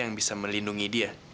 yang bisa melindungi dia